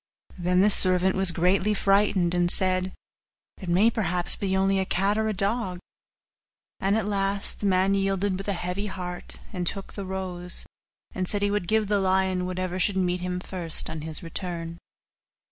Then the servant was greatly frightened, and said, 'It may perhaps be only a cat or a dog.' And at last the man yielded with a heavy heart, and took the rose; and said he would give the lion whatever should meet him first on his return.